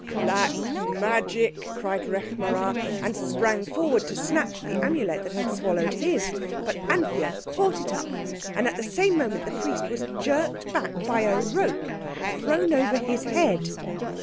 "Black magic!" cried Rekh marā, and sprang forward to snatch the Amulet that had swallowed his. But Anthea caught it up, and at the same moment the Priest was jerked back by a rope thrown over his head.